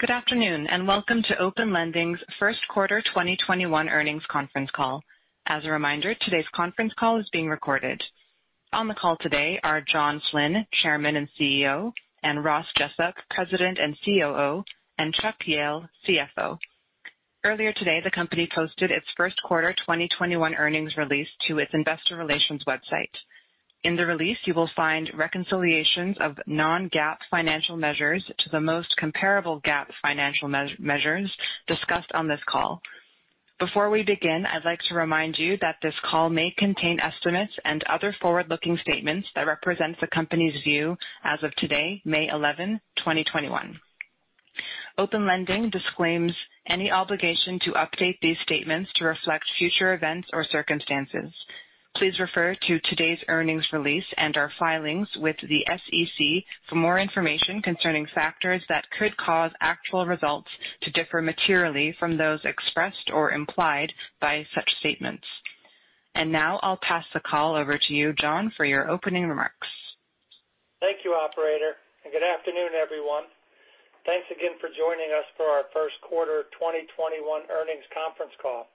Good afternoon, welcome to Open Lending's first quarter 2021 earnings conference call. As a reminder, today's conference call is being recorded. On the call today are John Flynn, Chairman and CEO, and Ross Jessup, President and COO, and Chuck Jehl, CFO. Earlier today, the company posted its first quarter 2021 earnings release to its investor relations website. In the release, you will find reconciliations of non-GAAP financial measures to the most comparable GAAP financial measures discussed on this call. Before we begin, I'd like to remind you that this call may contain estimates and other forward-looking statements that represent the company's view as of today, May 11, 2021. Open Lending disclaims any obligation to update these statements to reflect future events or circumstances. Please refer to today's earnings release and our filings with the SEC for more information concerning factors that could cause actual results to differ materially from those expressed or implied by such statements. Now I'll pass the call over to you, John, for your opening remarks. Thank you, operator, good afternoon, everyone. Thanks again for joining us for our first quarter 2021 earnings conference call.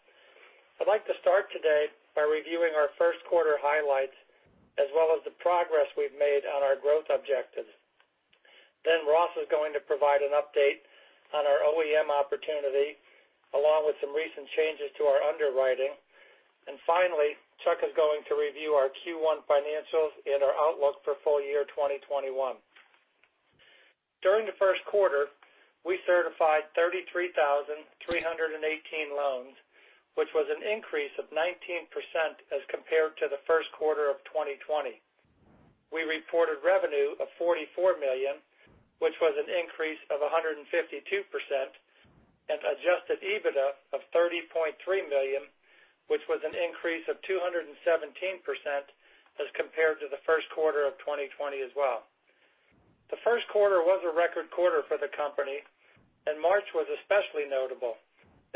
I'd like to start today by reviewing our first quarter highlights, as well as the progress we've made on our growth objectives. Ross is going to provide an update on our OEM opportunity, along with some recent changes to our underwriting. Finally, Chuck is going to review our Q1 financials and our outlook for full year 2021. During the first quarter, we certified 33,318 loans, which was an increase of 19% as compared to the first quarter of 2020. We reported revenue of $44 million, which was an increase of 152%, and adjusted EBITDA of $30.3 million, which was an increase of 217% as compared to the first quarter of 2020 as well. The first quarter was a record quarter for the company, and March was especially notable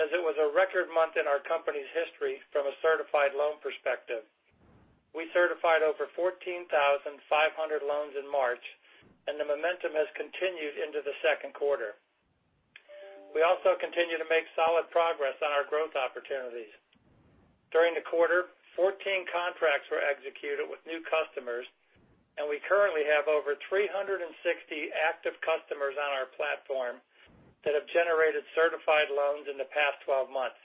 as it was a record month in our company's history from a certified loan perspective. We certified over 14,500 loans in March, and the momentum has continued into the second quarter. We also continue to make solid progress on our growth opportunities. During the quarter, 14 contracts were executed with new customers, and we currently have over 360 active customers on our platform that have generated certified loans in the past 12 months.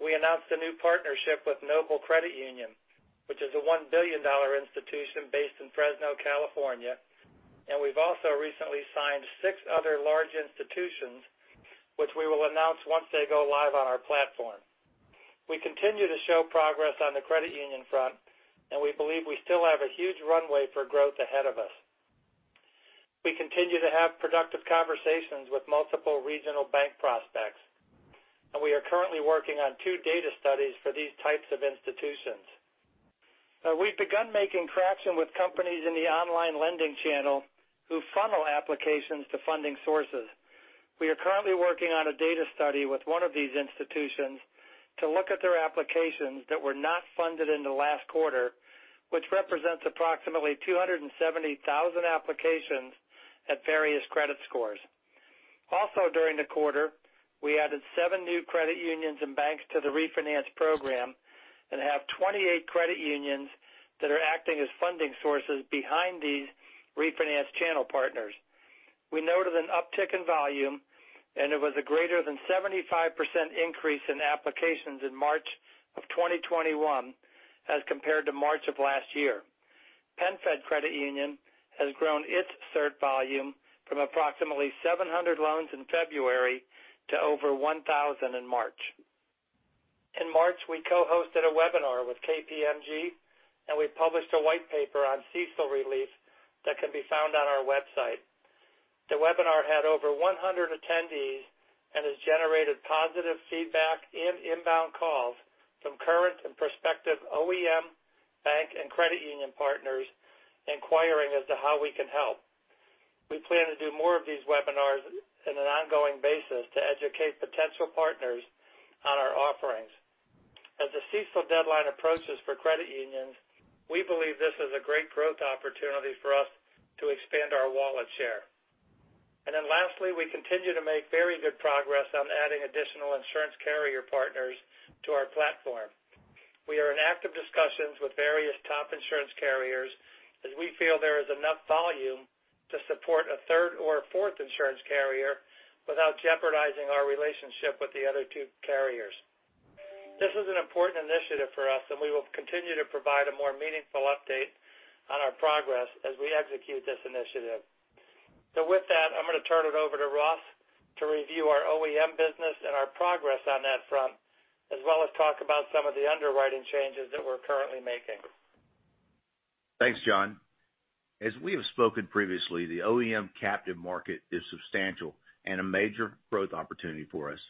We announced a new partnership with Noble Credit Union, which is a $1 billion institution based in Fresno, California, and we've also recently signed six other large institutions, which we will announce once they go live on our platform. We continue to show progress on the credit union front, and we believe we still have a huge runway for growth ahead of us. We continue to have productive conversations with multiple regional bank prospects, and we are currently working on two data studies for these types of institutions. We've begun making traction with companies in the online lending channel who funnel applications to funding sources. We are currently working on a data study with one of these institutions to look at their applications that were not funded in the last quarter, which represents approximately 270,000 applications at various credit scores. Also during the quarter, we added seven new credit unions and banks to the refinance program and have 28 credit unions that are acting as funding sources behind these refinance channel partners. We noted an uptick in volume, and it was a greater than 75% increase in applications in March of 2021 as compared to March of last year. PenFed Credit Union has grown its cert volume from approximately 700 loans in February to over 1,000 in March. In March, we co-hosted a webinar with KPMG, and we published a white paper on CECL relief that can be found on our website. The webinar had over 100 attendees and has generated positive feedback and inbound calls from current and prospective OEM bank and credit union partners inquiring as to how we can help. We plan to do more of these webinars on an ongoing basis to educate potential partners on our offerings. As the CECL deadline approaches for credit unions, we believe this is a great growth opportunity for us to expand our wallet share. Lastly, we continue to make very good progress on adding additional insurance carrier partners to our platform. We are in active discussions with various top insurance carriers as we feel there is enough volume to support a third or fourth insurance carrier without jeopardizing our relationship with the other two carriers. This is an important initiative for us, and we will continue to provide a more meaningful update on our progress as we execute this initiative. With that, I'm going to turn it over to Ross to review our OEM business and our progress on that front, as well as talk about some of the underwriting changes that we're currently making. Thanks, John. As we have spoken previously, the OEM captive market is substantial and a major growth opportunity for us.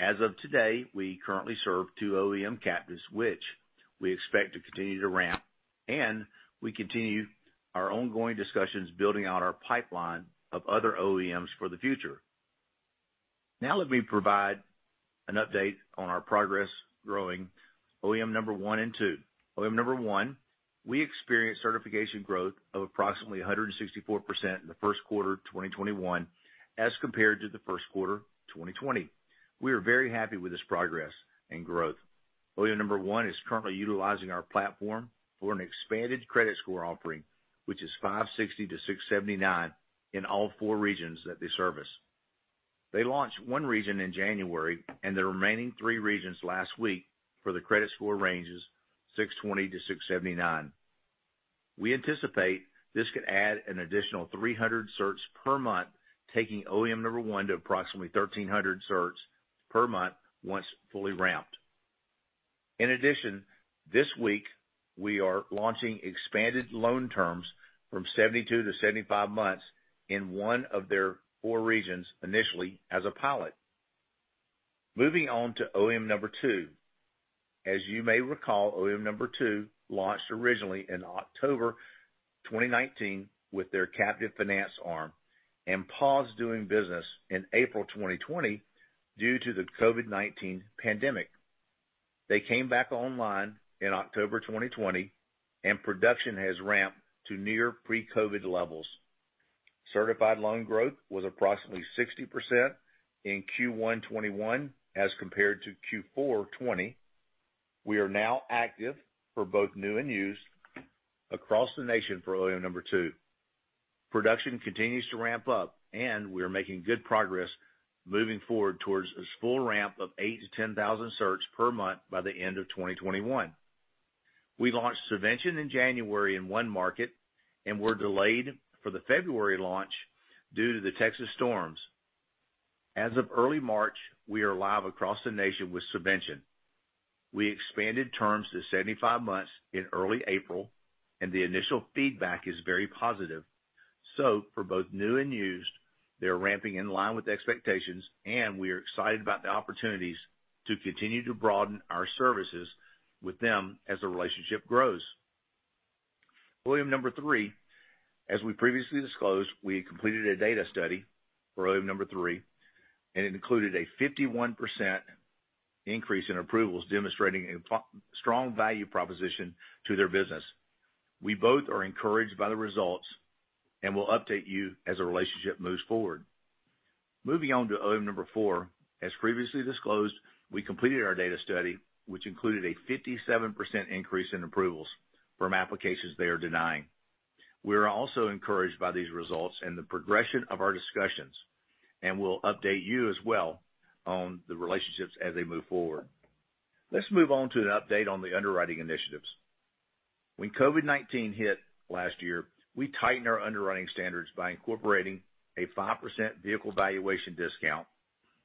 As of today, we currently serve two OEM captives, which we expect to continue to ramp, and we continue our ongoing discussions building out our pipeline of other OEMs for the future. Let me provide an update on our progress growing OEM number one and two. OEM number one, we experienced certification growth of approximately 164% in the first quarter 2021 as compared to the first quarter 2020. We are very happy with this progress and growth. OEM number one is currently utilizing our platform for an expanded credit score offering, which is 560-679 in all four regions that they service. They launched one region in January and the remaining three regions last week for the credit score ranges 620-679. We anticipate this could add an additional 300 certs per month, taking OEM number one to approximately 1,300 certs per month once fully ramped. In addition, this week, we are launching expanded loan terms from 72 to 75 months in one of their four regions initially as a pilot. Moving on to OEM number two. As you may recall, OEM number two launched originally in October 2019 with their captive finance arm and paused doing business in April 2020 due to the COVID-19 pandemic. They came back online in October 2020, and production has ramped to near pre-COVID levels. Certified loan growth was approximately 60% in Q1 2021 as compared to Q4 2020. We are now active for both new and used across the nation for OEM number two. Production continues to ramp up, and we are making good progress moving forward towards its full ramp of 8,000 to 10,000 certs per month by the end of 2021. We launched subvention in January in one market and were delayed for the February launch due to the Texas storms. As of early March, we are live across the nation with subvention. We expanded terms to 75 months in early April, and the initial feedback is very positive. For both new and used, they're ramping in line with expectations, and we are excited about the opportunities to continue to broaden our services with them as the relationship grows. OEM number three, as we previously disclosed, we completed a data study for OEM number three, and it included a 51% increase in approvals, demonstrating a strong value proposition to their business. We both are encouraged by the results and will update you as the relationship moves forward. Moving on to OEM number four. As previously disclosed, we completed our data study, which included a 57% increase in approvals from applications they are denying. We are also encouraged by these results and the progression of our discussions, we'll update you as well on the relationships as they move forward. Let's move on to an update on the underwriting initiatives. When COVID-19 hit last year, we tightened our underwriting standards by incorporating a 5% vehicle valuation discount,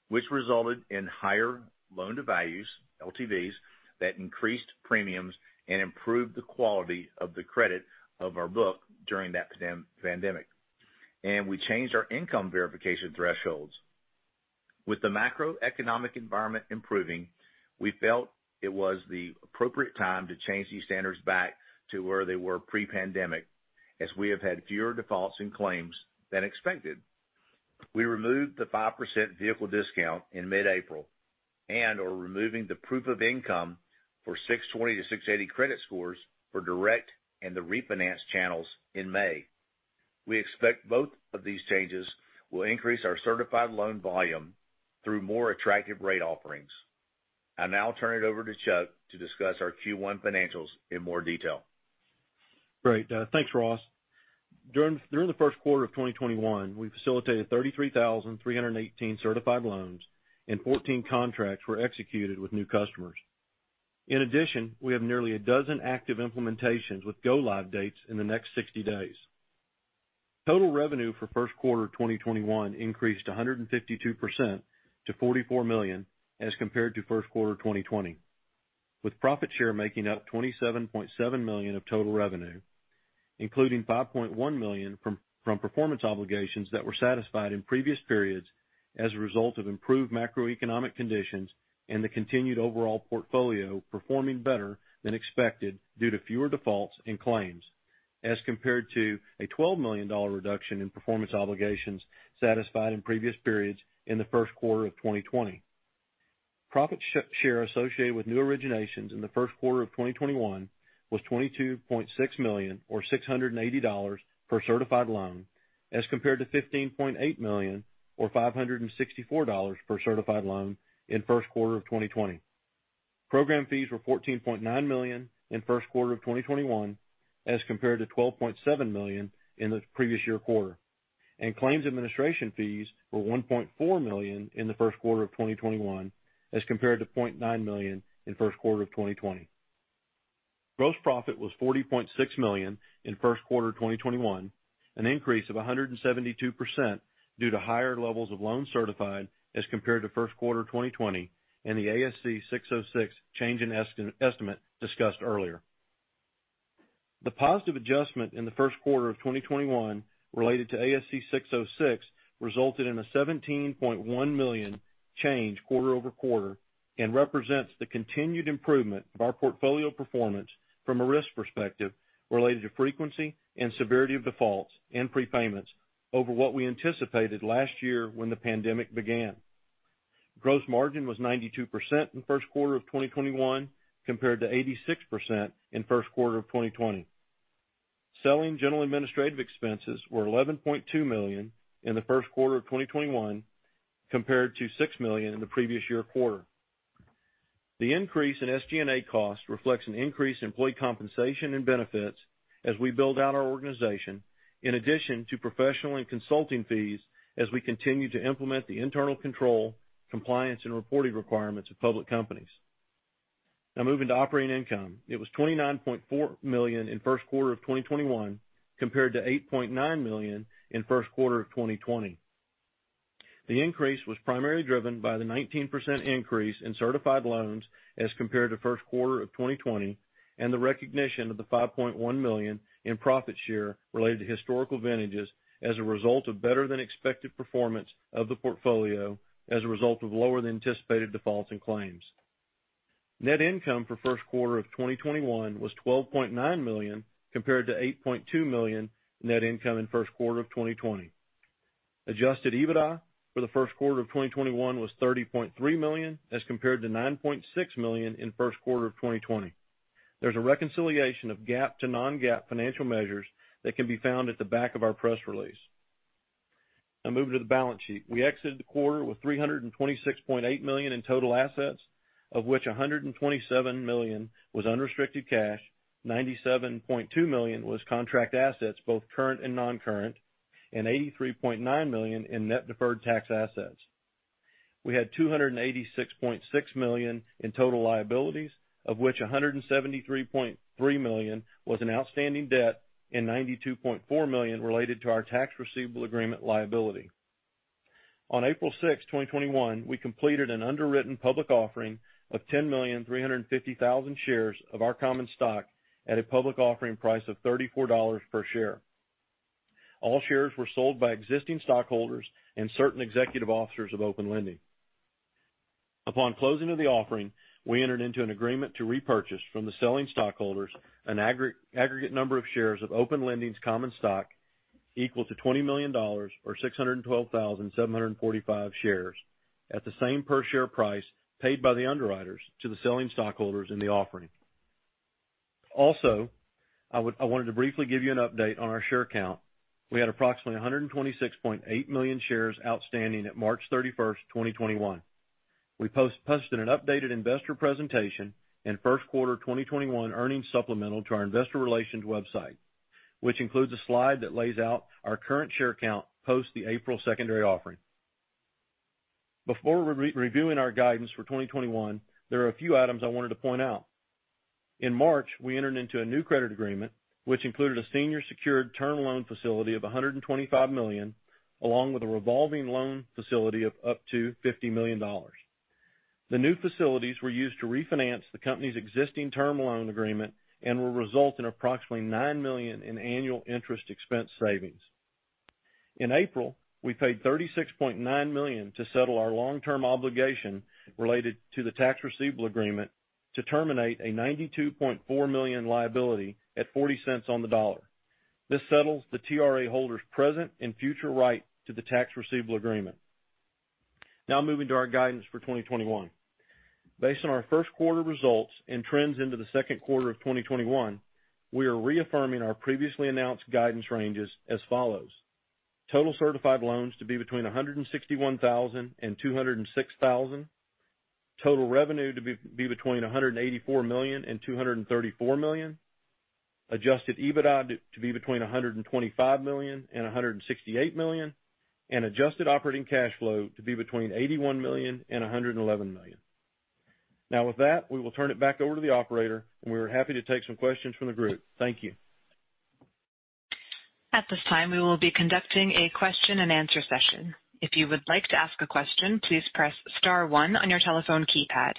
which resulted in higher loan to values, LTVs, that increased premiums and improved the quality of the credit of our book during that pandemic. We changed our income verification thresholds. With the macroeconomic environment improving, we felt it was the appropriate time to change these standards back to where they were pre-pandemic, as we have had fewer defaults and claims than expected. We removed the 5% vehicle discount in mid-April and are removing the proof of income for 620-680 credit scores for direct and the refinance channels in May. We expect both of these changes will increase our certified loan volume through more attractive rate offerings. I now turn it over to Chuck to discuss our Q1 financials in more detail. Great. Thanks, Ross. During the first quarter of 2021, we facilitated 33,318 certified loans and 14 contracts were executed with new customers. In addition, we have nearly a dozen active implementations with go-live dates in the next 60 days. Total revenue for first quarter 2021 increased 152% to $44 million as compared to first quarter 2020, with profit share making up $27.7 million of total revenue, including $5.1 million from performance obligations that were satisfied in previous periods as a result of improved macroeconomic conditions and the continued overall portfolio performing better than expected due to fewer defaults and claims, as compared to a $12 million reduction in performance obligations satisfied in previous periods in the first quarter of 2020. Profit share associated with new originations in the first quarter of 2021 was $22.6 million or $680 per certified loan, as compared to $15.8 million or $564 per certified loan in first quarter of 2020. Program fees were $14.9 million in first quarter of 2021 as compared to $12.7 million in the previous year quarter. Claims administration fees were $1.4 million in the first quarter of 2021 as compared to $0.9 million in first quarter of 2020. Gross profit was $40.6 million in first quarter 2021, an increase of 172% due to higher levels of loans certified as compared to first quarter 2020 and the ASC 606 change in estimate discussed earlier. The positive adjustment in the first quarter of 2021 related to ASC 606 resulted in a $17.1 million change quarter-over-quarter and represents the continued improvement of our portfolio performance from a risk perspective related to frequency and severity of defaults and prepayments over what we anticipated last year when the pandemic began. Gross margin was 92% in the first quarter of 2021 compared to 86% in the first quarter of 2020. Selling general administrative expenses were $11.2 million in the first quarter of 2021 compared to $6 million in the previous year quarter. The increase in SG&A costs reflects an increase in employee compensation and benefits as we build out our organization, in addition to professional and consulting fees, as we continue to implement the internal control, compliance, and reporting requirements of public companies. Now moving to operating income. It was $29.4 million in the first quarter of 2021 compared to $8.9 million in the first quarter of 2020. The increase was primarily driven by the 19% increase in certified loans as compared to the first quarter of 2020 and the recognition of the $5.1 million in profit share related to historical vintages as a result of better than expected performance of the portfolio as a result of lower than anticipated defaults and claims. Net income for the first quarter of 2021 was $12.9 million, compared to $8.2 million net income in the first quarter of 2020. Adjusted EBITDA for the first quarter of 2021 was $30.3 million as compared to $9.6 million in the first quarter of 2020. There is a reconciliation of GAAP to non-GAAP financial measures that can be found at the back of our press release. Now moving to the balance sheet. We exited the quarter with $326.8 million in total assets, of which $127 million was unrestricted cash, $97.2 million was contract assets, both current and non-current, and $83.9 million in net deferred tax assets. We had $286.6 million in total liabilities, of which $173.3 million was in outstanding debt and $92.4 million related to our tax receivable agreement liability. On April 6, 2021, we completed an underwritten public offering of 10,350,000 shares of our common stock at a public offering price of $34 per share. All shares were sold by existing stockholders and certain executive officers of Open Lending. Upon closing of the offering, we entered into an agreement to repurchase from the selling stockholders an aggregate number of shares of Open Lending's common stock equal to $20 million, or 612,745 shares, at the same per share price paid by the underwriters to the selling stockholders in the offering. Also, I wanted to briefly give you an update on our share count. We had approximately 126.8 million shares outstanding at March 31st, 2021. We posted an updated investor presentation in first quarter 2021 earnings supplemental to our investor relations website, which includes a slide that lays out our current share count post the April secondary offering. Before reviewing our guidance for 2021, there are a few items I wanted to point out. In March, we entered into a new credit agreement, which included a senior secured term loan facility of $125 million, along with a revolving loan facility of up to $50 million. The new facilities were used to refinance the company's existing term loan agreement and will result in approximately $9 million in annual interest expense savings. In April, we paid $36.9 million to settle our long-term obligation related to the tax receivable agreement to terminate a $92.4 million liability at $0.40 on the dollar. This settles the TRA holders' present and future right to the tax receivable agreement. Moving to our guidance for 2021. Based on our first quarter results and trends into the second quarter of 2021, we are reaffirming our previously announced guidance ranges as follows. Total certified loans to be between 161,000 and 206,000. Total revenue to be between $184 million and $234 million. Adjusted EBITDA to be between $125 million and $168 million. Adjusted operating cash flow to be between $81 million and $111 million. With that, we will turn it back over to the operator, and we are happy to take some questions from the group. Thank you. At this time, we will be conducting a question and answer session. If you would like to ask a question, please press star one on your telephone keypad.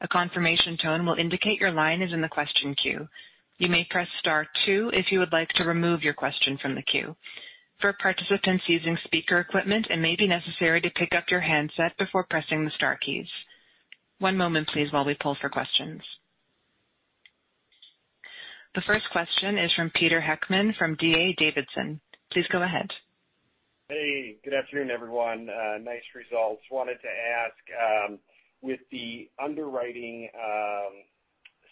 A confirmation tone will indicate your line is in the question queue. You may press star two if you would like to remove your question from the question from the queue. One moment please while we pull for questions. The first question is from Peter Heckmann from D.A. Davidson. Please go ahead. Hey, good afternoon, everyone. Nice results. Wanted to ask, with the underwriting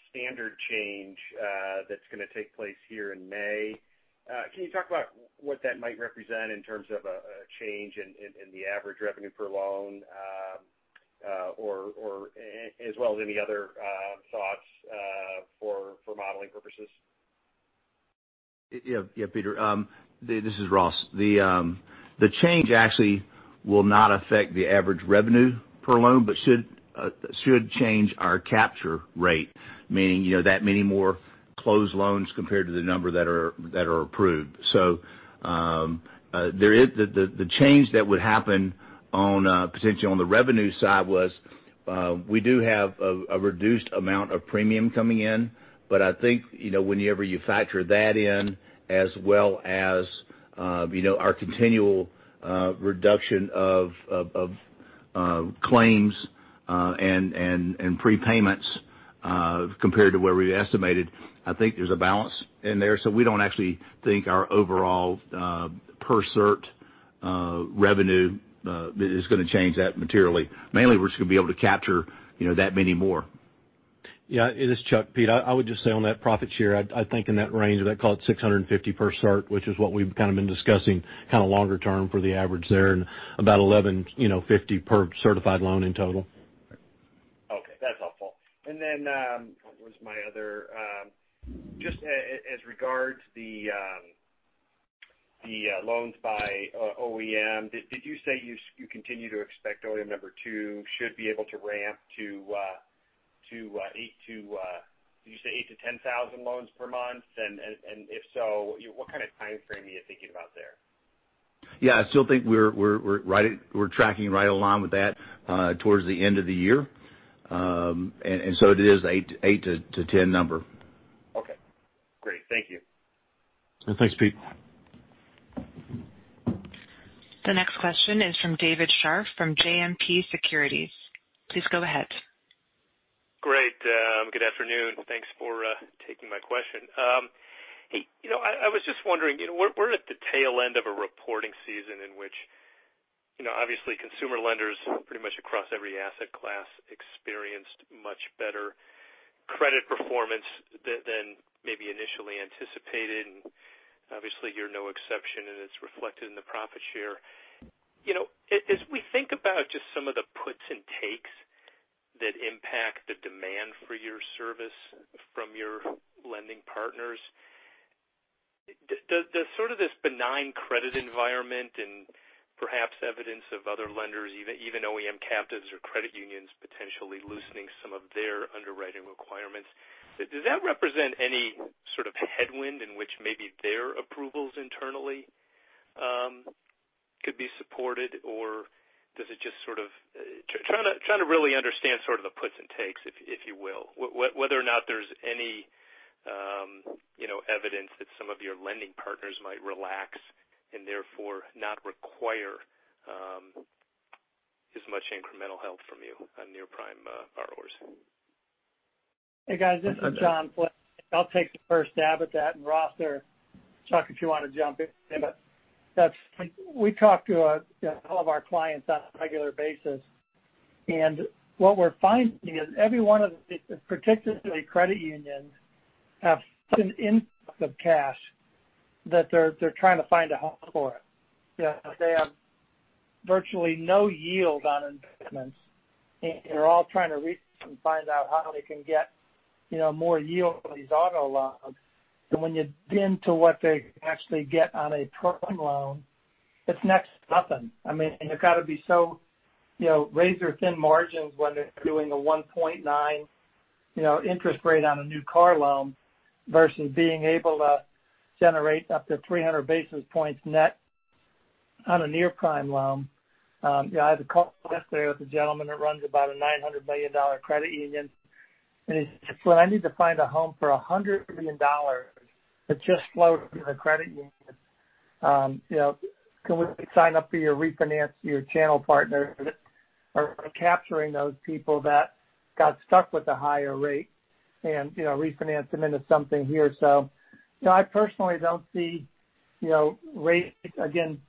standard change that's going to take place here in May, can you talk about what that might represent in terms of a change in the average revenue per loan, as well as any other thoughts for modeling purposes? Yeah. Peter, this is Ross. The change actually will not affect the average revenue per loan, but should change our capture rate, meaning that many more closed loans compared to the number that are approved. The change that would happen potentially on the revenue side was, we do have a reduced amount of premium coming in. I think, whenever you factor that in, as well as our continual reduction of claims -and prepayments compared to where we estimated. I think there's a balance in there. We don't actually think our overall per cert revenue is going to change that materially. Mainly, we're just going to be able to capture that many more. Yeah, this is Chuck, Peter. I would just say on that profit share, I think in that range of that call it $650 per cert, which is what we've kind of been discussing kind of longer term for the average there and about $1,150 per certified loan in total. Okay, that's helpful. Just as regard the loans by OEM, did you say you continue to expect OEM number two should be able to ramp to, did you say 8-10,000 loans per month? If so, what kind of timeframe are you thinking about there? Yeah, I still think we're tracking right along with that towards the end of the year. It is 8-10 number. Okay, great. Thank you. Thanks, Peter. The next question is from David Scharf of JMP Securities. Please go ahead. Great. Good afternoon. Thanks for taking my question. I was just wondering, we're at the tail end of a reporting season in which, obviously consumer lenders pretty much across every asset class experienced much better credit performance than maybe initially anticipated, and obviously you're no exception, and it's reflected in the profit share. As we think about just some of the puts and takes that impact the demand for your service from your lending partners, does sort of this benign credit environment and perhaps evidence of other lenders, even OEM captives or credit unions potentially loosening some of their underwriting requirements, does that represent any sort of headwind in which maybe their approvals internally could be supported? Or does it just sort of-- trying to really understand sort of the puts and takes, if you will. Whether or not there's any evidence that some of your lending partners might relax and therefore not require as much incremental help from you on near-prime borrowers? Hey, guys. This is John Flynn. I'll take the first stab at that, and Ross or Chuck, if you want to jump in. We talk to all of our clients on a regular basis, and what we're finding is every one of, particularly credit unions, have an influx of cash that they're trying to find a home for. They have virtually no yield on investments. They're all trying to reach and find out how they can get more yield on these auto loans. When you dig into what they actually get on a prime loan, it's next to nothing. I mean, you've got to be so razor-thin margins when they're doing a 1.9 interest rate on a new car loan versus being able to generate up to 300 basis points net on a near-prime loan. I had a call yesterday with a gentleman that runs about a $900 million credit union, and he said, Well, I need to find a home for $100 million that just flowed through the credit union. Can we sign up for your refinance your channel partner that are capturing those people that got stuck with a higher rate and refinance them into something here? I personally don't see rates, again,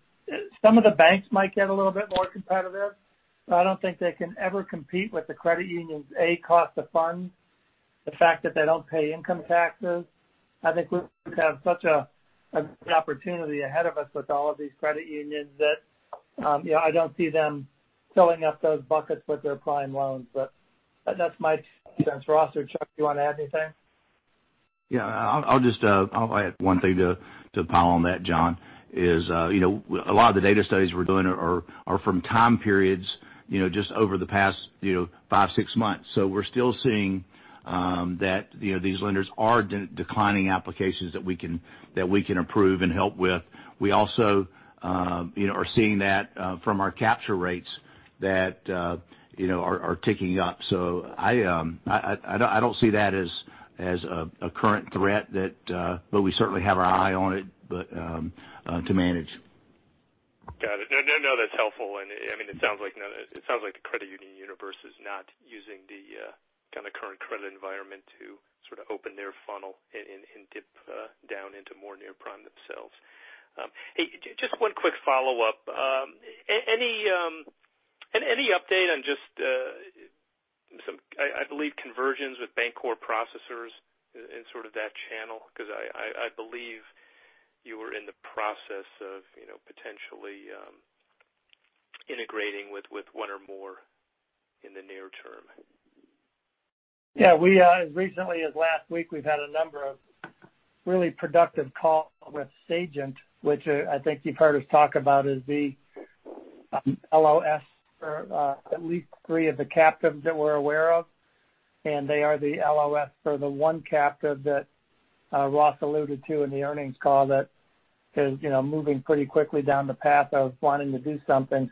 some of the banks might get a little bit more competitive, but I don't think they can ever compete with the credit unions' A, cost of funds, the fact that they don't pay income taxes. I think we have such a good opportunity ahead of us with all of these credit unions that I don't see them filling up those buckets with their prime loans. That's my sense. Ross or Chuck, do you want to add anything? Yeah, I'll add one thing to pile on that, John, is a lot of the data studies we're doing are from time periods just over the past five, six months. We're still seeing that these lenders are declining applications that we can approve and help with. We also are seeing that from our capture rates that are ticking up. I don't see that as a current threat, but we certainly have our eye on it to manage. Got it. No, that's helpful. It sounds like the credit union universe is not using the kind of current credit environment to sort of open their funnel and dip down into more near-prime themselves. Hey, just one quick follow-up. Any update on just some, I believe, conversions with bank core processors in sort of that channel? Because I believe you were in the process of potentially integrating with one or more in the near term. Yeah. As recently as last week, we've had a number of really productive calls with Sagent, which I think you've heard us talk about as the LOS for at least three of the captives that we're aware of, and they are the LOS for the one captive that Ross alluded to in the earnings call that is moving pretty quickly down the path of wanting to do something.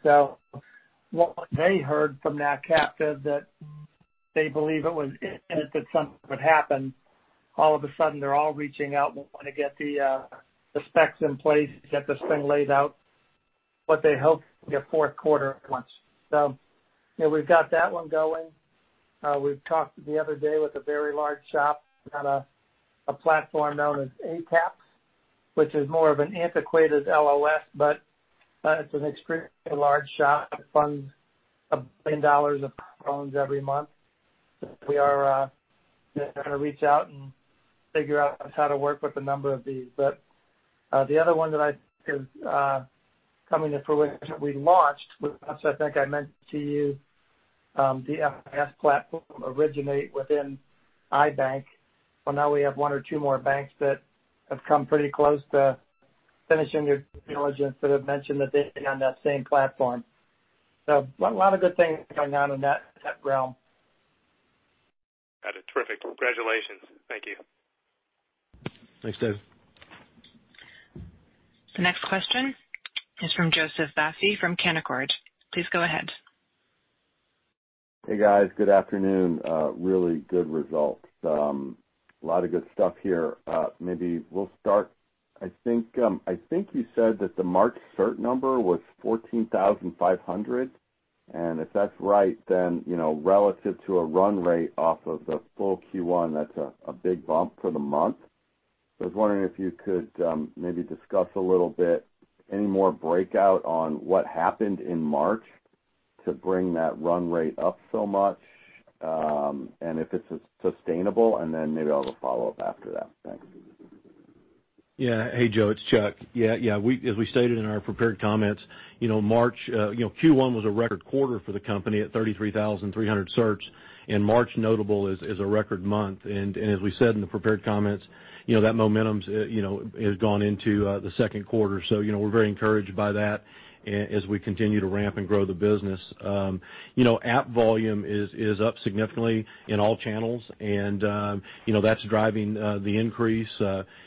What they heard from that captive that they believe it was, if something would happen, all of a sudden, they're all reaching out and want to get the specs in place to get this thing laid out. They hope to get fourth quarter at once. Yeah, we've got that one going. We've talked the other day with a very large shop about a platform known as ACAPS, which is more of an antiquated LOS, but it's an extremely large shop. It funds $1 billion of loans every month. We are going to reach out and figure out how to work with a number of these. The other one that I think is coming to fruition, we launched, which I think I mentioned to you, the FIS platform originate within iBanc. Well, now we have one or two more banks that have come pretty close to finishing their due diligence that have mentioned that they've been on that same platform. A lot of good things going on in that realm. Got it. Terrific. Congratulations. Thank you. Thanks, Dave. The next question is from Joseph Vafi from Canaccord Genuity. Please go ahead. Hey, guys. Good afternoon. Really good results. A lot of good stuff here. Maybe we'll start. I think you said that the March cert number was 14,500. If that's right, then, relative to a run rate off of the full Q1, that's a big bump for the month. I was wondering if you could maybe discuss a little bit any more breakout on what happened in March to bring that run rate up so much, and if it's sustainable, and then maybe I'll have a follow-up after that. Thanks. Hey, Joe, it's Chuck. As we stated in our prepared comments, Q1 was a record quarter for the company at 33,300 certs, and March notable is a record month. As we said in the prepared comments, that momentum has gone into the second quarter. We're very encouraged by that as we continue to ramp and grow the business. App volume is up significantly in all channels and that's driving the increase.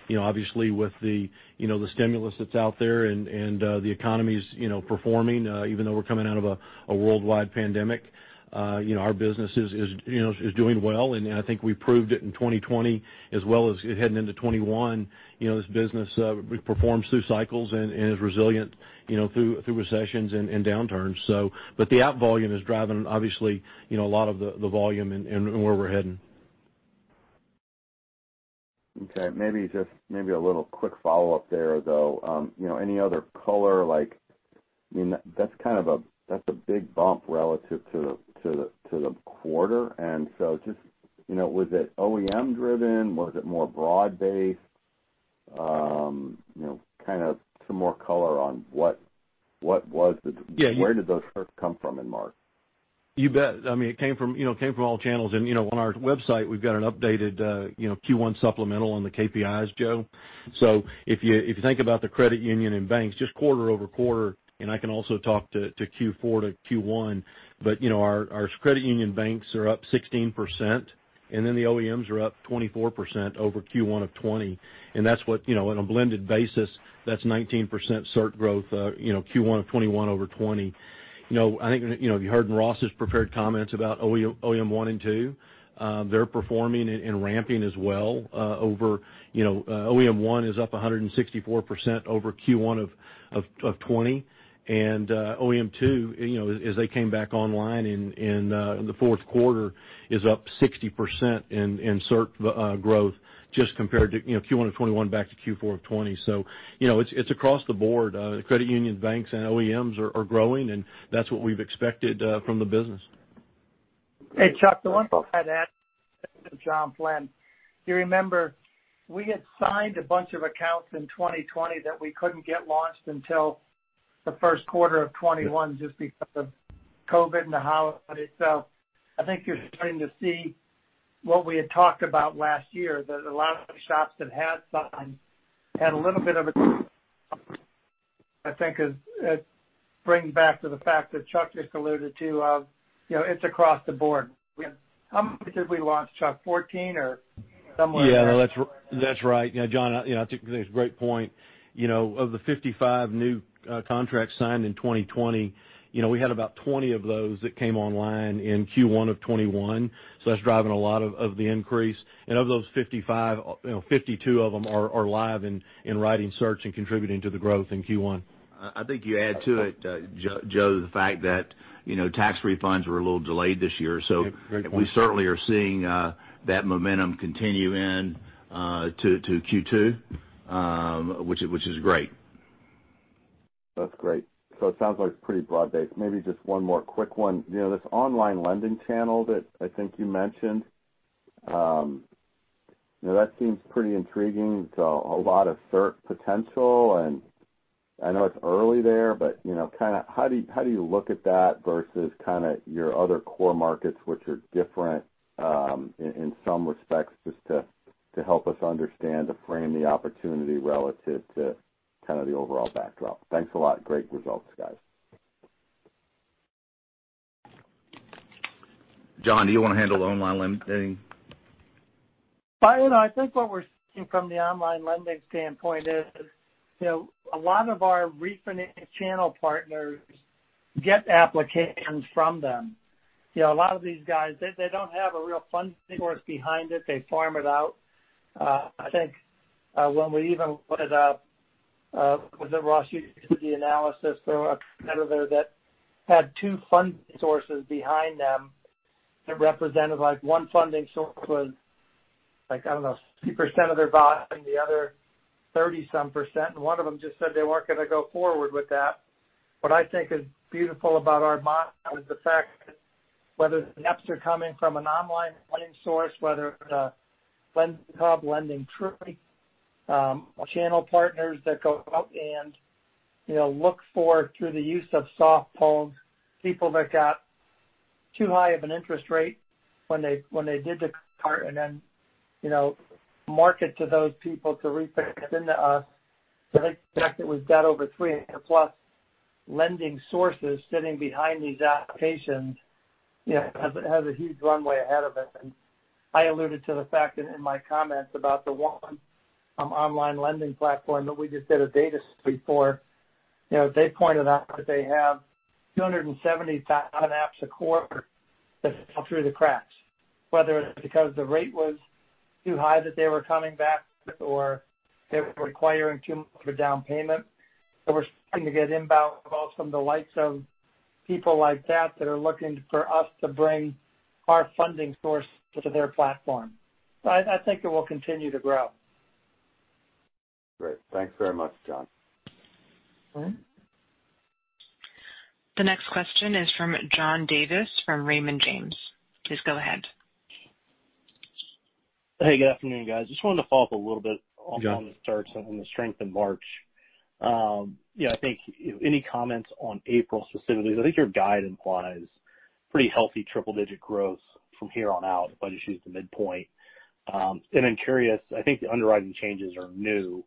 Obviously, with the stimulus that's out there and the economy's performing, even though we're coming out of a worldwide pandemic, our business is doing well, and I think we proved it in 2020 as well as heading into 2021. This business performs through cycles and is resilient through recessions and downturns. The app volume is driving, obviously, a lot of the volume and where we're heading. Maybe a little quick follow-up there, though. Any other color, like I mean, that's a big bump relative to the quarter, just, was it OEM driven? Was it more broad-based? Yeah. Where did those certs come from in March? You bet. It came from all channels. On our website, we've got an updated Q1 supplemental on the KPIs, Joe. If you think about the credit union and banks, just quarter-over-quarter, I can also talk to Q4 to Q1. Our credit union banks are up 16%. The OEMs are up 24% over Q1 2020. On a blended basis, that's 19% cert growth Q1 2021 over 2020. I think you heard in Ross's prepared comments about OEM one and two. They're performing and ramping as well. OEM one is up 164% over Q1 2020. OEM two, as they came back online in the fourth quarter, is up 60% in cert growth just compared to Q1 2021 back to Q4 2020. It's across the board. Credit union banks and OEMs are growing, and that's what we've expected from the business. Hey, Chuck, the one thing I'd add, this is John Flynn. You remember we had signed a bunch of accounts in 2020 that we couldn't get launched until the first quarter of 2021 just because of COVID and the holiday. I think you're starting to see what we had talked about last year, that a lot of shops that had signed, I think it brings back to the fact that Chuck just alluded to of, it's across the board. How much did we launch, Chuck, 14 or somewhere in there? Yeah. No, that's right. John, I think that's a great point. Of the 55 new contracts signed in 2020, we had about 20 of those that came online in Q1 of 2021. That's driving a lot of the increase. Of those 55, 52 of them are live and writing certs and contributing to the growth in Q1. I think you add to it, Joe, the fact that tax refunds were a little delayed this year. Yeah. Great point We certainly are seeing that momentum continue into Q2, which is great. That's great. It sounds like it's pretty broad-based. Maybe just one more quick one. This online lending channel that I think you mentioned, that seems pretty intriguing. It's a lot of cert potential, and I know it's early there, but how do you look at that versus your other core markets which are different in some respects, just to help us understand, to frame the opportunity relative to the overall backdrop. Thanks a lot. Great results, guys. John, do you want to handle the online lending? I think what we're seeing from the online lending standpoint is, a lot of our refinance channel partners get applications from them. A lot of these guys, they don't have a real funding source behind it. They farm it out. I think when we even put it up with the Ross Jessup analysis, there were a competitor that had two funding sources behind them that represented, one funding source was, I don't know, 50% of their buying, the other 30-some percent. One of them just said they weren't going to go forward with that. What I think is beautiful about our model is the fact that whether the apps are coming from an online lending source, whether it's a LendingHub, LendingTree, our channel partners that go out and look for, through the use of soft pulls, people that got too high of an interest rate when they did the cart and then market to those people to refinance into us. I think the fact that we've got over 300+ lending sources sitting behind these applications has a huge runway ahead of it. I alluded to the fact that in my comments about the one online lending platform that we just did a data sweep for. They pointed out that they have 270,000 apps a quarter that fell through the cracks, whether it's because the rate was too high that they were coming back, or they were requiring too much of a down payment. We're starting to get inbound calls from the likes of people like that that are looking for us to bring our funding source to their platform. I think it will continue to grow. Great. Thanks very much, John. The next question is from John Davis from Raymond James. Please go ahead. Hey, good afternoon, guys. Just wanted to follow up a little bit on. John the starts and the strength in March. Any comments on April specifically? I think your guide implies pretty healthy triple-digit growth from here on out, if I just use the midpoint. I'm curious, I think the underwriting changes are new,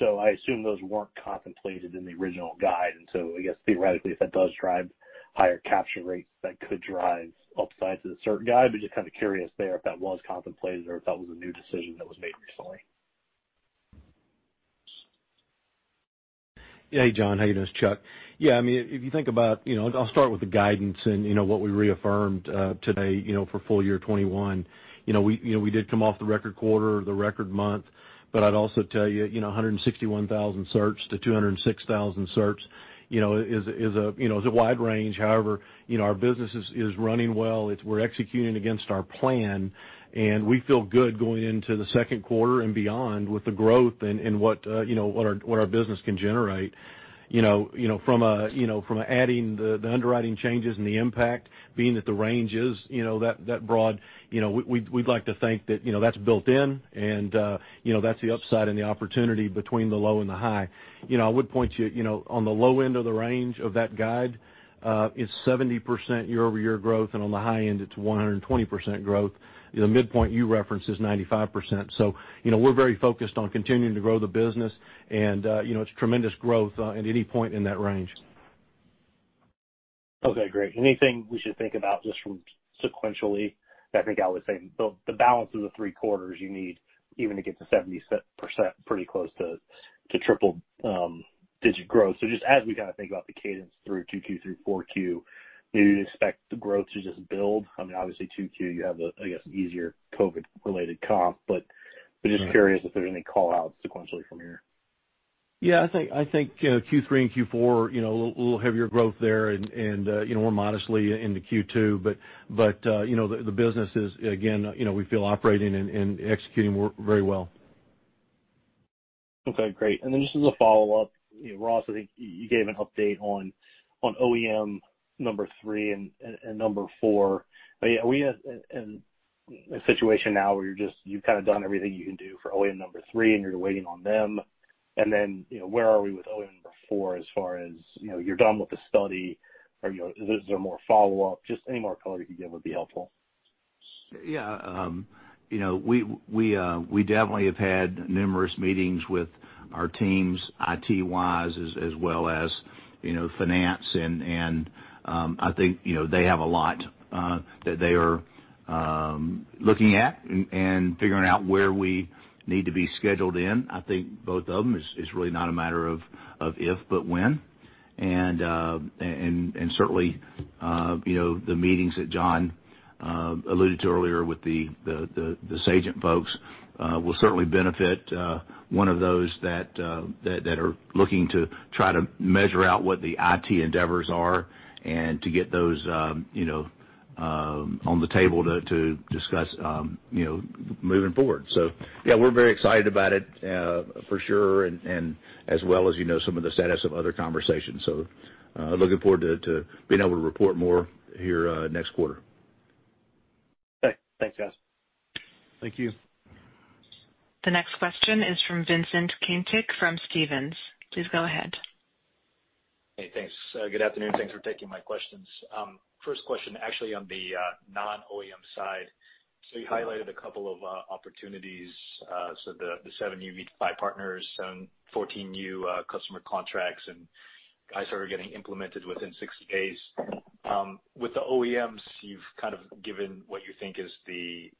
so I assume those weren't contemplated in the original guide. I guess theoretically, if that does drive higher capture rates, that could drive upside to the cert guide. Just kind of curious there if that was contemplated or if that was a new decision that was made recently. Hey, John, how you doing? It's Chuck. Yeah, I'll start with the guidance and what we reaffirmed today for full year 2021. We did come off the record quarter, the record month, but I'd also tell you, 161,000 certs to 206,000 certs is a wide range. However, our business is running well. We're executing against our plan, and we feel good going into the second quarter and beyond with the growth and what our business can generate. From adding the underwriting changes and the impact being that the range is that broad, we'd like to think that's built in, and that's the upside and the opportunity between the low and the high. I would point to you, on the low end of the range of that guide, is 70% year-over-year growth, and on the high end, it's 120% growth. The midpoint you referenced is 95%. We're very focused on continuing to grow the business, and it's tremendous growth at any point in that range. Okay, great. Anything we should think about just from sequentially? I think I would say the balance of the three quarters you need even to get to 70% pretty close to triple digit growth. Just as we kind of think about the cadence through 2Q, through 4Q, maybe you'd expect the growth to just build. I mean, obviously 2Q, you have, I guess, an easier COVID-related comp. Just curious if there's any call-outs sequentially from here. Yeah, I think, Q3 and Q4, a little heavier growth there and we're modestly into Q2. The business is, again, we feel operating and executing very well. Okay, great. Just as a follow-up, Ross, I think you gave an update on OEM number three and number four. Are we in a situation now where you've kind of done everything you can do for OEM number three and you're waiting on them? Where are we with OEM number four as far as you're done with the study? Is there more follow-up? Just any more color you can give would be helpful. We definitely have had numerous meetings with our teams, IT-wise, as well as finance. I think they have a lot that they are looking at and figuring out where we need to be scheduled in. I think both of them, it's really not a matter of if, but when. Certainly, the meetings that John alluded to earlier with the Sagent folks will certainly benefit one of those that are looking to try to measure out what the IT endeavors are and to get those on the table to discuss moving forward. We're very excited about it for sure, and as well as some of the status of other conversations. Looking forward to being able to report more here next quarter. Okay. Thanks, guys. Thank you. The next question is from Vincent Caintic from Stephens. Please go ahead. Hey, thanks. Good afternoon. Thanks for taking my questions. First question actually on the non-OEM side. You highlighted a couple of opportunities, the seven new refi partners and 14 new customer contracts, and guys who are getting implemented within 60 days. With the OEMs, you've kind of given what you think is the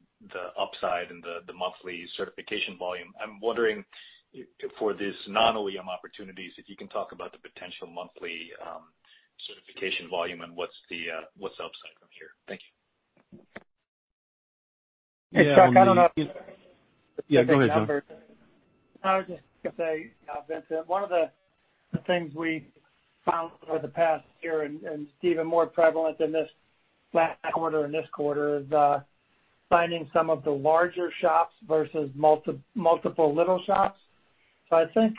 upside in the monthly certification volume. I'm wondering, for these non-OEM opportunities, if you can talk about the potential monthly certification volume and what's the upside from here? Thank you. Hey, Chuck. Yeah, go ahead, John. I was just going to say, Vincent, one of the things we found over the past year and it's even more prevalent in this last quarter and this quarter, is finding some of the larger shops versus multiple little shops. I think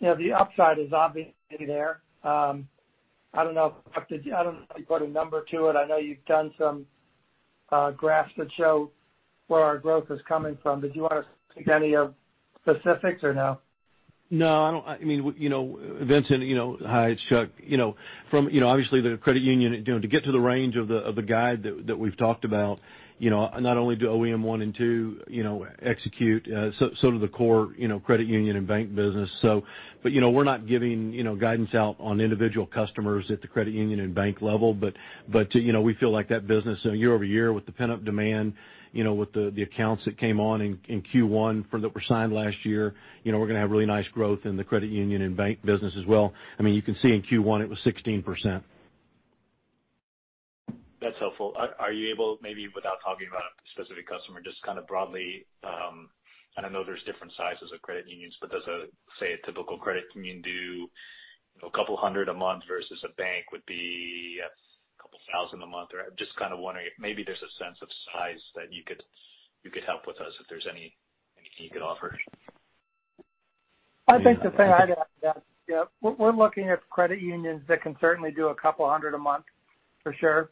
the upside is obviously there. I don't know if you put a number to it. I know you've done some graphs that show where our growth is coming from. Did you want to speak any specifics or no? No. Vincent, hi, it's Chuck. Obviously, the credit union, to get to the range of the guide that we've talked about, not only do OEM one and two execute, so do the core credit union and bank business. We're not giving guidance out on individual customers at the credit union and bank level, but we feel like that business year-over-year with the pent-up demand, with the accounts that came on in Q1 that were signed last year, we're going to have really nice growth in the credit union and bank business as well. You can see in Q1 it was 16%. That's helpful. Are you able, maybe without talking about a specific customer, just kind of broadly, and I know there's different sizes of credit unions, but does, say, a typical credit union do a couple hundred a month versus a bank would be a couple thousand a month? I'm just kind of wondering if maybe there's a sense of size that you could help with us if there's anything you could offer. I think the thing I'd add to that, we're looking at credit unions that can certainly do a couple hundred a month, for sure.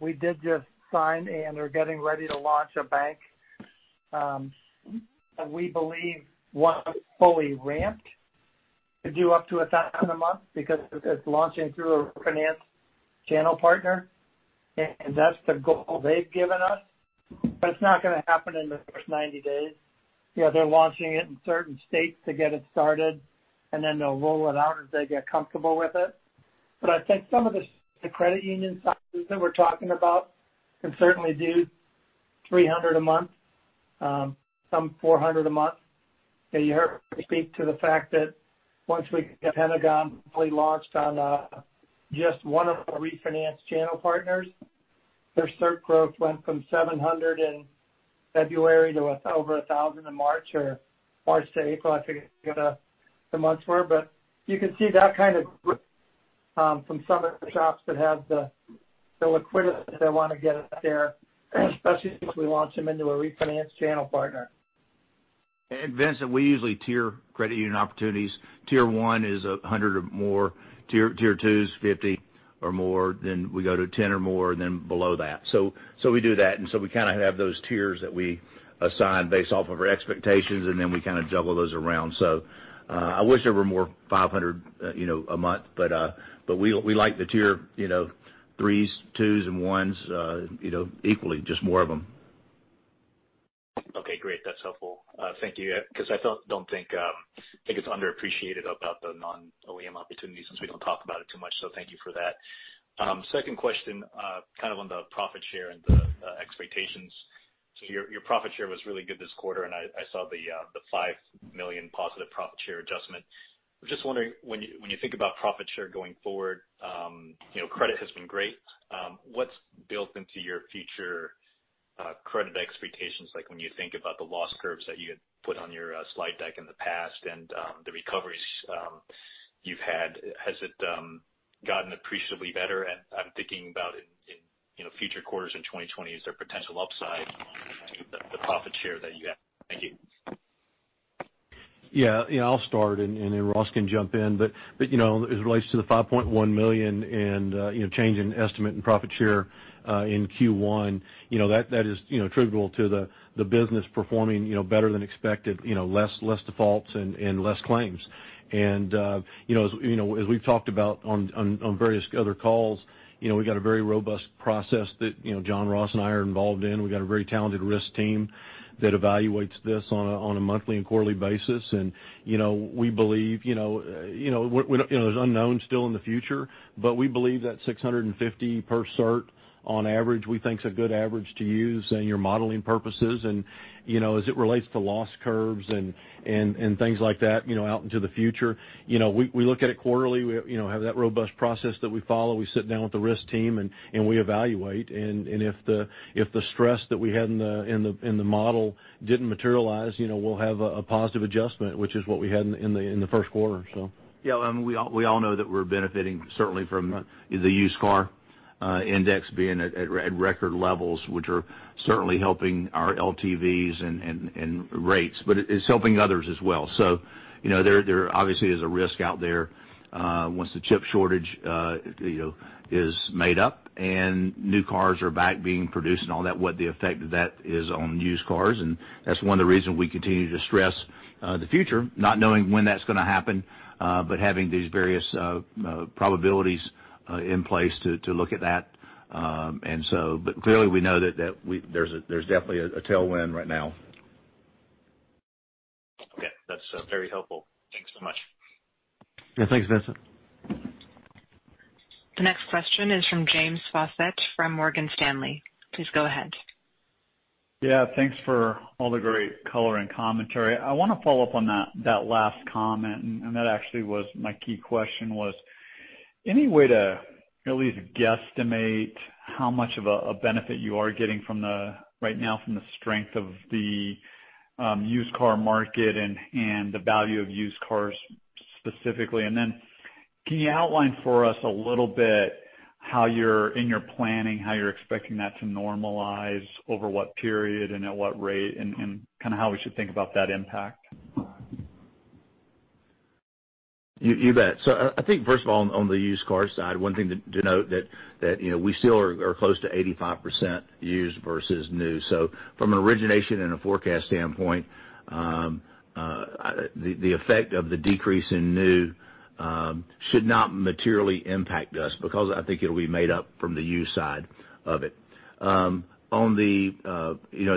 We did just sign and are getting ready to launch a bank. We believe once fully ramped, could do up to 1,000 a month because it's launching through a refinance channel partner, and that's the goal they've given us. It's not going to happen in the first 90 days. They're launching it in certain states to get it started, and then they'll roll it out as they get comfortable with it. I think some of the credit union sizes that we're talking about can certainly do 300 a month, some 400 a month. You heard me speak to the fact that once we get PenFed fully launched on just one of our refinance channel partners, their cert growth went from 700 in February to over 1,000 in March or March to April, I forget the months were. You can see that kind of growth from some of the shops that have the liquidity. They want to get it there, especially since we launched them into a refinance channel partner. Vincent, we usually tier credit union opportunities. Tier one is 100 or more. Tier two is 50 or more. We go to 10 or more, and then below that. We do that, we kind of have those tiers that we assign based off of our expectations, and then we kind of juggle those around. I wish there were more 500 a month, but we like the tier 3s, 2s, and 1s equally, just more of them. Okay, great. That's helpful. Thank you. I think it's underappreciated about the non-OEM opportunities since we don't talk about it too much. Thank you for that. Second question, kind of on the profit share and the expectations. Your profit share was really good this quarter, and I saw the $5 million positive profit share adjustment. I'm just wondering, when you think about profit share going forward, credit has been great. What's built into your future credit expectations, like when you think about the loss curves that you had put on your slide deck in the past and the recoveries you've had, has it gotten appreciably better? I'm thinking about in future quarters in 2020. Is there potential upside to the profit share that you have? Thank you. I'll start, then Ross can jump in. As it relates to the $5.1 million in change in estimate and profit share in Q1, that is attributable to the business performing better than expected, less defaults and less claims. As we've talked about on various other calls, we've got a very robust process that John, Ross and I are involved in. We've got a very talented risk team that evaluates this on a monthly and quarterly basis. There's unknowns still in the future, we believe that 650 per cert on average, we think is a good average to use in your modeling purposes. As it relates to loss curves and things like that out into the future, we look at it quarterly. We have that robust process that we follow. We sit down with the risk team, we evaluate. If the stress that we had in the model didn't materialize, we'll have a positive adjustment, which is what we had in the first quarter. Yeah, we all know that we're benefiting certainly from the used car index being at record levels, which are certainly helping our LTVs and rates, but it's helping others as well. There obviously is a risk out there once the chip shortage is made up and new cars are back being produced and all that, what the effect of that is on used cars. That's one of the reasons we continue to stress the future, not knowing when that's going to happen, but having these various probabilities in place to look at that. Clearly, we know that there's definitely a tailwind right now That's very helpful. Thanks so much. Yeah. Thanks, Vincent. The next question is from James Faucette from Morgan Stanley. Please go ahead. Yeah. Thanks for all the great color and commentary. I want to follow up on that last comment, and that actually was my key question was, any way to at least guesstimate how much of a benefit you are getting right now from the strength of the used car market and the value of used cars specifically? Then can you outline for us a little bit how you're in your planning, how you're expecting that to normalize over what period and at what rate, and how we should think about that impact? You bet. I think first of all, on the used car side, one thing to note that we still are close to 85% used versus new. From an origination and a forecast standpoint, the effect of the decrease in new should not materially impact us because I think it'll be made up from the used side of it. On the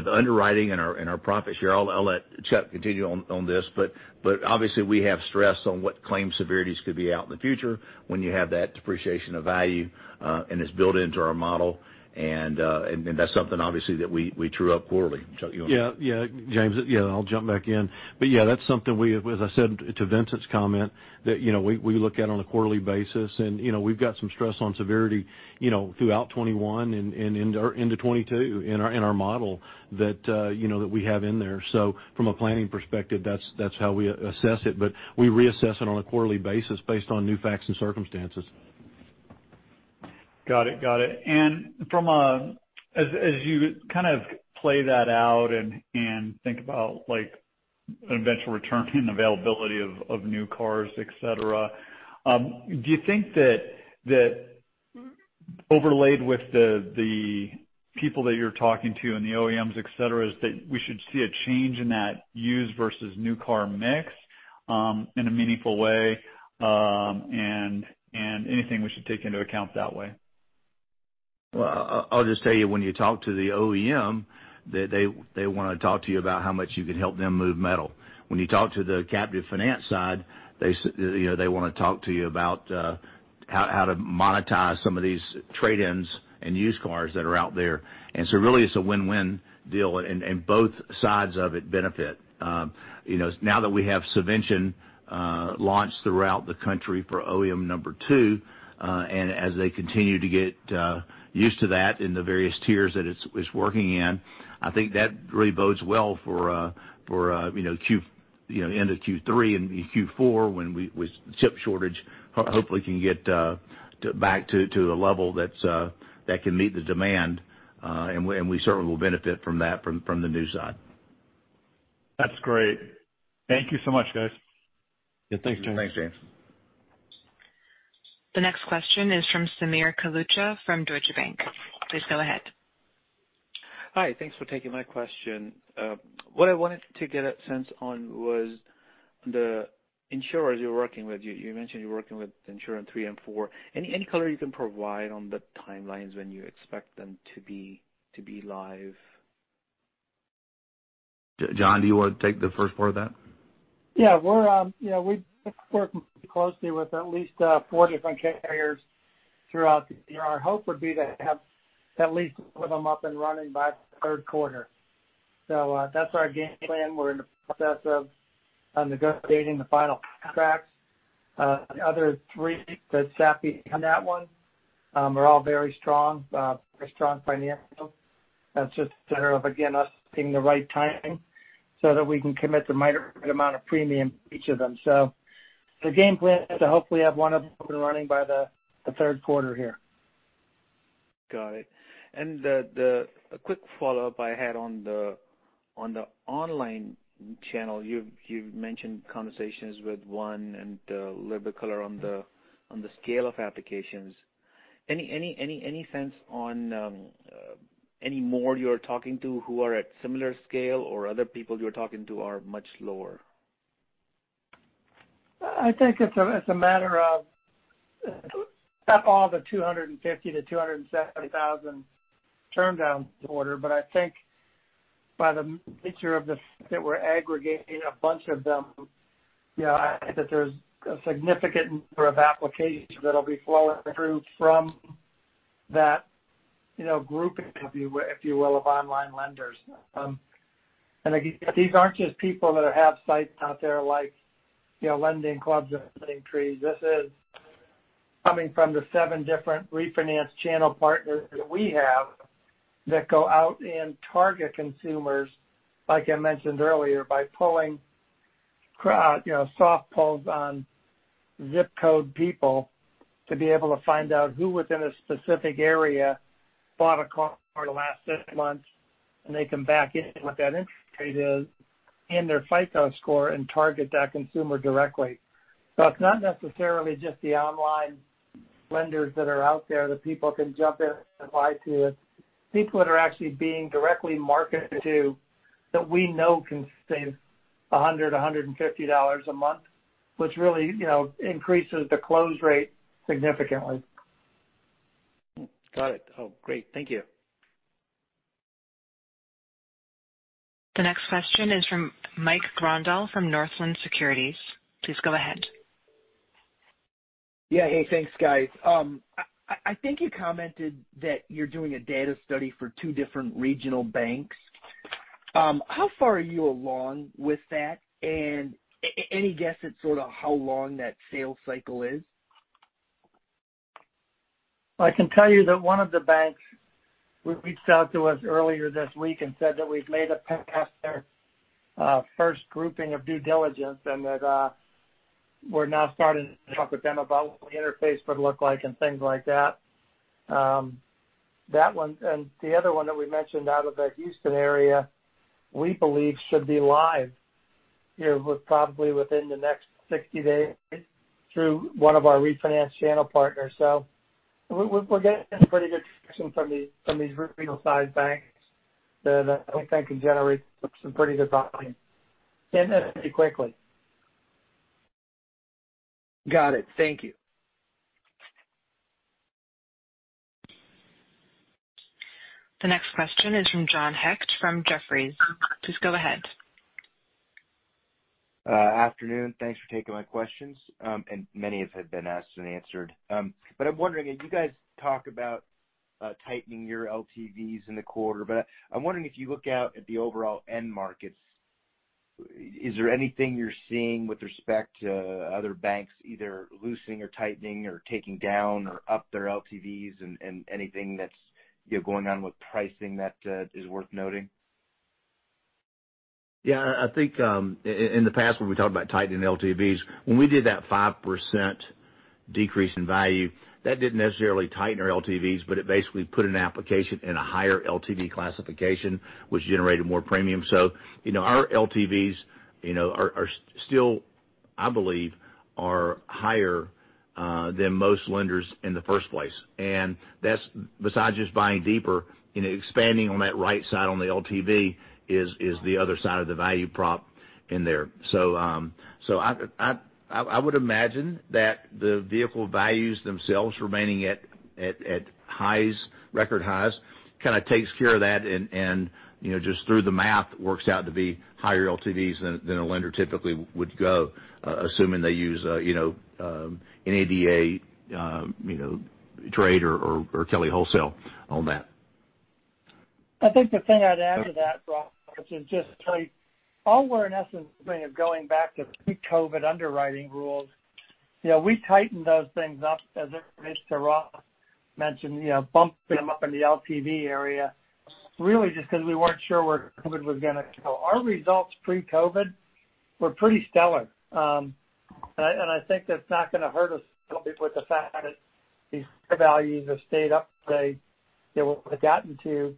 underwriting and our profit share, I'll let Chuck continue on this, but obviously we have stress on what claims severities could be out in the future when you have that depreciation of value, and it's built into our model. That's something obviously that we true up quarterly. Chuck, you want to- James, I'll jump back in. That's something we, as I said to Vincent's comment, that we look at on a quarterly basis, and we've got some stress on severity throughout 2021 and into 2022 in our model that we have in there. From a planning perspective, that's how we assess it, but we reassess it on a quarterly basis based on new facts and circumstances. Got it. As you play that out and think about an eventual return and availability of new cars, et cetera, do you think that overlaid with the people that you're talking to and the OEMs, et cetera, is that we should see a change in that used versus new car mix in a meaningful way, and anything we should take into account that way? I'll just tell you, when you talk to the OEM, they want to talk to you about how much you can help them move metal. When you talk to the captive finance side, they want to talk to you about how to monetize some of these trade-ins and used cars that are out there. Really it's a win-win deal, and both sides of it benefit. Now that we have Cvention launched throughout the country for OEM two, and as they continue to get used to that in the various tiers that it's working in, I think that really bodes well for end of Q3 and Q4 when chip shortage hopefully can get back to a level that can meet the demand. We certainly will benefit from that from the new side. That's great. Thank you so much, guys. Yeah. Thanks, James. Thanks, James. The next question is from Sameer Kalucha from Deutsche Bank. Please go ahead. Hi. Thanks for taking my question. What I wanted to get a sense on was the insurers you're working with. You mentioned you're working with insurer three and four. Any color you can provide on the timelines when you expect them to be live? John, do you want to take the first part of that? Yeah. We're working pretty closely with at least four different carriers throughout the year. Our hope would be to have at least two of them up and running by the third quarter. That's our game plan. We're in the process of negotiating the final contracts. The other three that Sappy on that one are all very strong financials. That's just a matter of, again, us hitting the right timing so that we can commit the right amount of premium to each of them. The game plan is to hopefully have one of them up and running by the third quarter here. Got it. A quick follow-up I had on the online channel. You've mentioned conversations with one, and a little bit color on the scale of applications. Any sense on any more you're talking to who are at similar scale or other people you're talking to are much lower? I think it's a matter of not all the 250,000 turndowns-270,000 turndowns quarter, but I think by the nature of the fact that we're aggregating a bunch of them, I think that there's a significant number of applications that'll be flowing through from that grouping, if you will, of online lenders. Again, these aren't just people that have sites out there like LendingClub and LendingTree. This is coming from the seven different refinance channel partners that we have that go out and target consumers, like I mentioned earlier, by soft pulls on zip code people to be able to find out who within a specific area bought a car in the last six months. They come back in with that interest rate is in their FICO score and target that consumer directly. It's not necessarily just the online lenders that are out there that people can jump in and apply to it. People that are actually being directly marketed to that we know can save $100, $150 a month, which really increases the close rate significantly. Got it. Oh, great. Thank you. The next question is from Mike Grondahl from Northland Securities. Please go ahead. Yeah. Hey, thanks, guys. I think you commented that you're doing a data study for two different regional banks. How far are you along with that, and any guess at sort of how long that sales cycle is? I can tell you that one of the banks reached out to us earlier this week and said that we've made it past their first grouping of due diligence and that we're now starting to talk with them about what the interface would look like and things like that. The other one that we mentioned out of that Houston area, we believe should be live probably within the next 60 days through one of our refinance channel partners. We're getting some pretty good traction from these regional-sized banks that I think can generate some pretty good volume and pretty quickly. Got it. Thank you. The next question is from John Hecht from Jefferies. Please go ahead. Afternoon. Thanks for taking my questions, and many of have been asked and answered. I'm wondering as you guys talk about tightening your LTVs in the quarter, but I'm wondering if you look out at the overall end markets, is there anything you're seeing with respect to other banks either loosening or tightening or taking down or up their LTVs and anything that's going on with pricing that is worth noting? Yeah. I think, in the past when we talked about tightening LTVs, when we did that 5% decrease in value, that didn't necessarily tighten our LTVs, but it basically put an application in a higher LTV classification, which generated more premium. Our LTVs are still, I believe, are higher than most lenders in the first place. That's besides just buying deeper, expanding on that right side on the LTV is the other side of the value prop in there. I would imagine that the vehicle values themselves remaining at highs, record highs, kind of takes care of that and just through the math works out to be higher LTVs than a lender typically would go, assuming they use NADA trade or Kelley Wholesale on that. I think the thing I'd add to that, Ross, is just tell you all we're in essence of going back to pre-COVID underwriting rules. We tightened those things up as I mentioned to Ross, mentioned bumping them up in the LTV area really just because we weren't sure where COVID was going to go. Our results pre-COVID were pretty stellar. I think that's not going to hurt us, helping with the fact that these values have stayed up to date. They have gotten to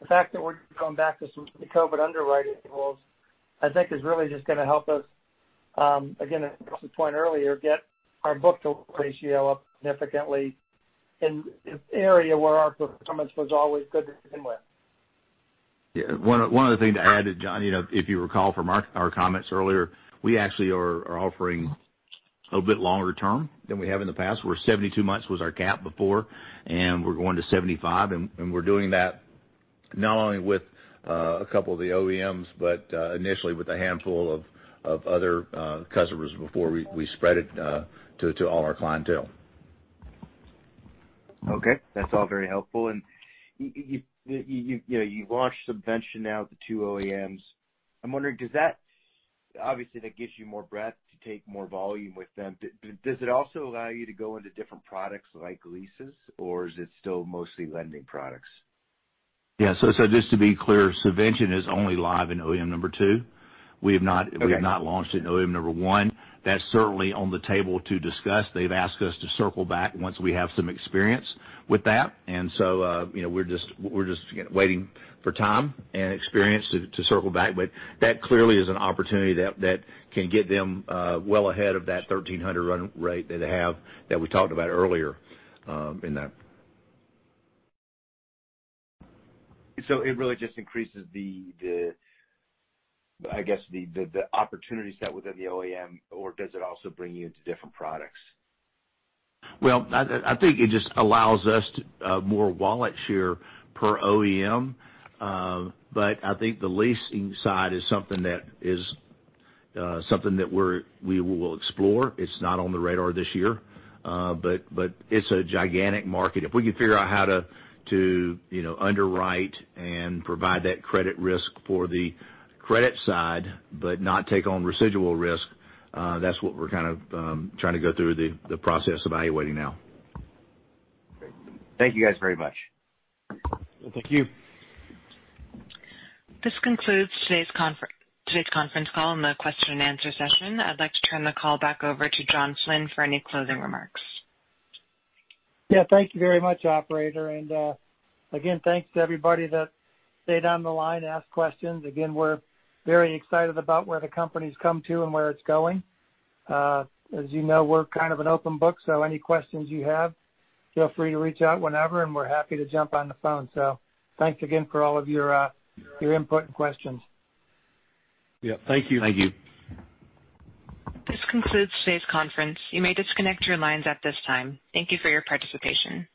the fact that we're going back to some pre-COVID underwriting rules, I think is really just going to help us, again, to Ross' point earlier, get our book-to-loan ratio up significantly in an area where our performance was always good to begin with. Yeah. One other thing to add, John, if you recall from our comments earlier, we actually are offering a bit longer term than we have in the past, where 72 months was our cap before, and we're going to 75. We're doing that not only with a couple of the OEMs, but initially with a handful of other customers before we spread it to all our clientele. Okay. That's all very helpful. You launched Cevention now with the two OEMs. I'm wondering, obviously, that gives you more breadth to take more volume with them. Does it also allow you to go into different products like leases, or is it still mostly lending products? Just to be clear, Cevention is only live in OEM number two. Okay. We have not launched it in OEM number one. That's certainly on the table to discuss. They've asked us to circle back once we have some experience with that. We're just waiting for time and experience to circle back. That clearly is an opportunity that can get them well ahead of that 1,300 run rate that they have that we talked about earlier in that. It really just increases the, I guess, the opportunity set within the OEM, or does it also bring you into different products? I think it just allows us more wallet share per OEM. I think the leasing side is something that we will explore. It's not on the radar this year. It's a gigantic market. If we can figure out how to underwrite and provide that credit risk for the credit side, but not take on residual risk, that's what we're kind of trying to go through the process evaluating now. Great. Thank you guys very much. Thank you. This concludes today's conference call and the question and answer session. I'd like to turn the call back over to John Flynn for any closing remarks. Yeah. Thank you very much, operator. Again, thanks to everybody that stayed on the line, asked questions. Again, we're very excited about where the company's come to and where it's going. As you know, we're kind of an open book. Any questions you have, feel free to reach out whenever, and we're happy to jump on the phone. Thanks again for all of your input and questions. Yeah. Thank you. Thank you. This concludes today's conference. You may disconnect your lines at this time. Thank you for your participation.